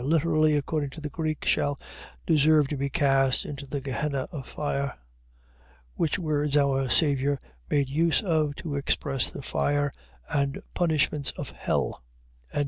. .literally, according to the Greek, shall deserve to be cast into the Gehenna of fire. Which words our Saviour made use of to express the fire and punishments of hell. 5:23.